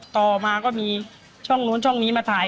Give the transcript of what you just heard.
ต่อมาก็มีช่องนู้นช่องนี้มาถ่าย